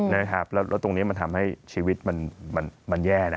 แล้วตรงนี้มันทำให้ชีวิตมันแย่นะ